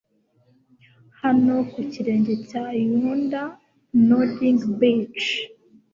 Hano ku kirenge cya yonder nodding beech